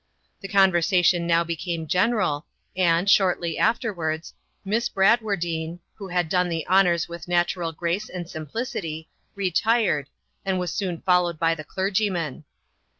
The conversation now became general; and, shortly afterwards, Miss Bradwardine, who had done the honours with natural grace and simplicity, retired, and was soon followed by the clergyman.